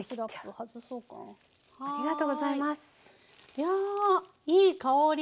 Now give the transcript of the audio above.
いやいい香り。